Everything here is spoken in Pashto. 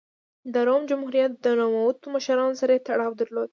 د روم جمهوریت د نوموتو مشرانو سره یې تړاو درلود